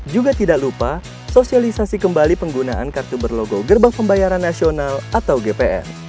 juga tidak lupa sosialisasi kembali penggunaan kartu berlogo gerbang pembayaran nasional atau gpn